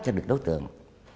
cho được đối tượng